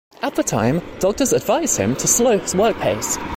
At the time, doctors advised him to slow his work pace.